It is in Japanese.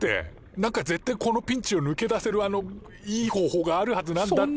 なんか絶対このピンチをぬけ出せるあのいい方法があるはずなんだって。